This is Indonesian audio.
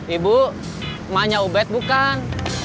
ibu emaknya ubet bukan